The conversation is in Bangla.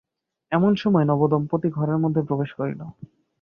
এমন সময় নবদম্পতি ঘরের মধ্যে প্রবেশ করিল।